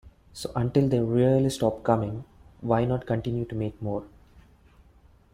So until they really stopped coming, why not continue to make more?